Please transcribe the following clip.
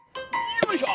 よいしょ。